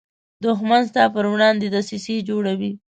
دښمن ستا پر وړاندې دسیسې جوړوي